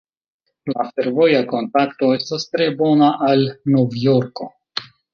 La fervoja kontakto estas tre bona al Nov-Jorko.